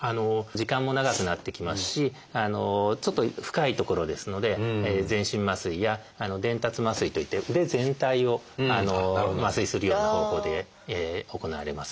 時間も長くなってきますしちょっと深い所ですので全身麻酔や「伝達麻酔」といって腕全体を麻酔するような方法で行われます。